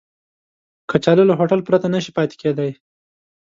کچالو له هوټل پرته نشي پاتې کېدای